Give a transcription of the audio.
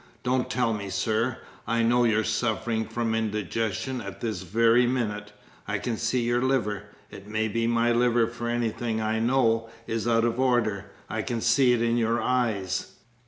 Don't tell me, sir. I know you're suffering from indigestion at this very minute. I can see your liver (it may be my liver for anything I know) is out of order. I can see it in your eyes."